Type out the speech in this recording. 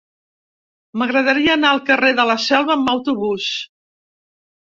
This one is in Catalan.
M'agradaria anar al carrer de la Selva amb autobús.